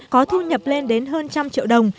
có thu nhập lên đến hơn một trăm linh triệu đồng